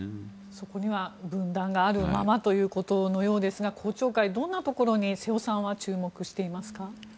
そこには分断があるままということのようですが公聴会、どんなところに瀬尾さんは注目していますか。